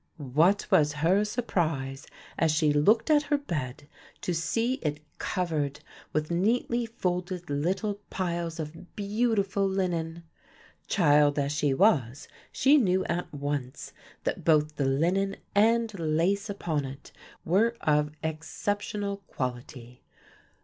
What was her surprise as she looked at her bed to see it covered with neatly folded little piles of beautiful linen. Child as she was she knew at once that both the linen and lace upon it were of exceptional quality.